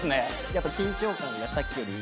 やっぱ緊張感がさっきより。